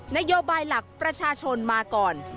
นโยบายหลักประชาชนมาก่อน